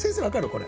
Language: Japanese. これ。